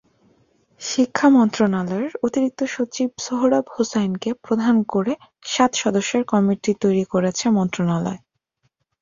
শিক্ষা মন্ত্রণালয়ের অতিরিক্ত সচিব সোহরাব হোসাইনকে প্রধান করে সাত সদস্যের কমিটি করেছে মন্ত্রণালয়।